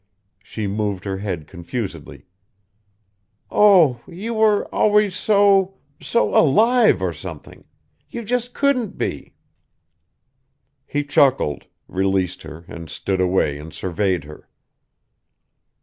She moved her head confusedly. "Oh you were always so so alive, or something.... You just couldn't be...." He chuckled, released her, and stood away and surveyed her.